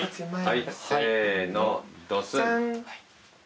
はいせーのドスン。